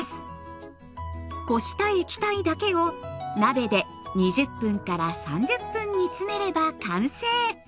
こした液体だけを鍋で２０３０分煮詰めれば完成。